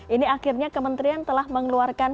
ini akhirnya kementerian telah mengeluarkan